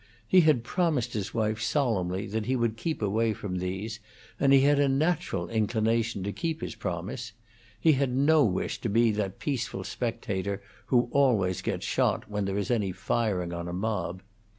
He had promised his wife solemnly that he would keep away from these, and he had a natural inclination to keep his promise; he had no wish to be that peaceful spectator who always gets shot when there is any firing on a mob.